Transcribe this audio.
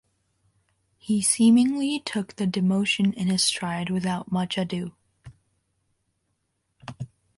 He seemingly took the demotion in his stride without much ado.